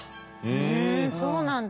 うんそうなんだ。